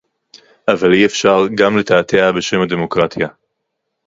אבל אי-אפשר גם לתעתע בשם הדמוקרטיה